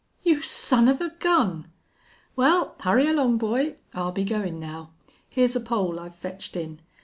"You son of a gun!" "Well, hurry along, boy. I'll be goin' now. Here's a pole I've fetched in.